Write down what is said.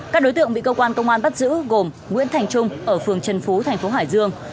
các đối tượng bị cơ quan công an bắt giữ gồm nguyễn thành trung ở phường trần phú thành phố hải dương